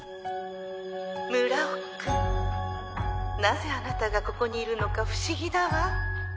村尾君なぜあなたがここにいるのか不思議だわ。